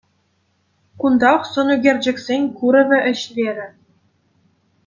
Кунтах сӑнӳкерчӗксен куравӗ ӗҫлерӗ.